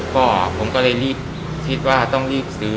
ก็ผมก็เลยรีบคิดว่าต้องรีบซื้อ